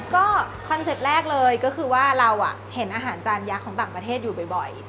ก็คอนเซ็ปต์แรกเลยก็คือว่าเราเห็นอาหารจานยักษ์ของต่างประเทศอยู่บ่อย